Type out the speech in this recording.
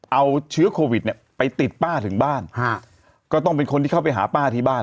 เอาเชื้อโควิดเนี่ยไปติดป้าถึงบ้านฮะก็ต้องเป็นคนที่เข้าไปหาป้าที่บ้าน